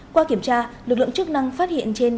qua kiểm tra lực lượng chức năng phát hiện trên